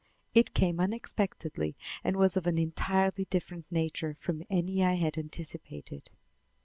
It came unexpectedly and was of an entirely different nature from any I had anticipated.